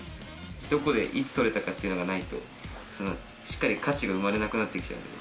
どこでいつ採れたかっていうのがないとしっかり価値が生まれなくなって来ちゃうんで。